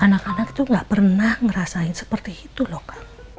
anak anak itu gak pernah ngerasain seperti itu loh kak